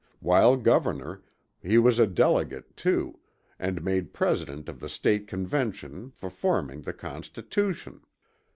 While Governor, he was a delegate to, and made president of the State Convention for forming the Constitution.